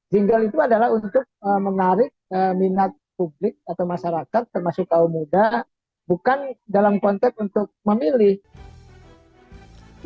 jingle itu adalah untuk menarik minat publik atau masyarakat termasuk kaum muda bukan dalam konteks untuk memilih